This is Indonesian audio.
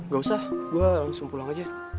gak usah gue langsung pulang aja